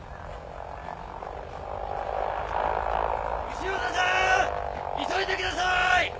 ・潮田さーん急いでくださーい！